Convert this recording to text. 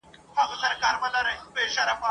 له قاتله چي څوک ځان نه سي ژغورلای ..